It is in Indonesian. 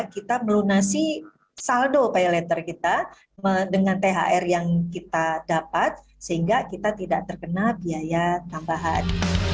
kita melunasi saldo pay letter kita dengan thr yang kita dapat sehingga kita tidak terkena biaya tambahan